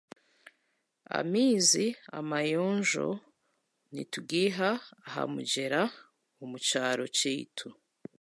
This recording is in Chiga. Amaizi amayonjo nitugaiha aha mugyera omu kyaro kyaitu